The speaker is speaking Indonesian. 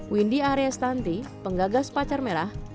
windy arya stanti penggagas pacar merah